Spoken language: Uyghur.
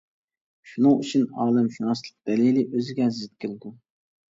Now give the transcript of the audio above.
شۇنىڭ ئۈچۈن، ئالەمشۇناسلىق دەلىلى ئۆزىگە زىت كېلىدۇ.